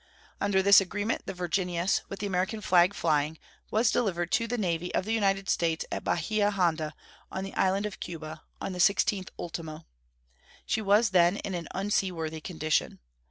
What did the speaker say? Under this agreement the Virginius, with the American flag flying, was delivered to the Navy of the United States at Bahia Honda, in the island of Cuba, on the 16th ultimo. She was then in an unseaworthy condition.